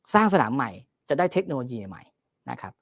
สร้างสนามใหม่จะได้เทคโนโลยีใหม่นะครับ